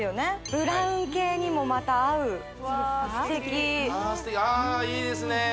ブラウン系にもまた合う・素敵ああいいですねえ